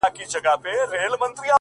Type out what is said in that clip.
ورځي و میاشتي غم هم کال په کال دي وکړ